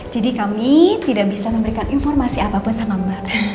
jadi kami tidak bisa memberikan informasi apapun sama mbak